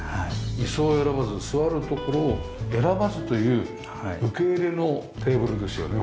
椅子を選ばず座るところを選ばずという受け入れのテーブルですよね